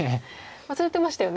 忘れてましたよね。